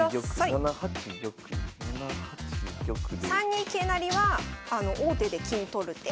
３二桂成は王手で金取る手。